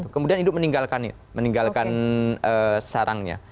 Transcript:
kemudian induk meninggalkan sarangnya